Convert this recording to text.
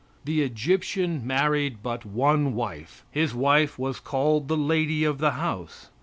The Egyptian married but one wife. His wife was called the lady of the house.